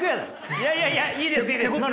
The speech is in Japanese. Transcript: いやいやいやいいです！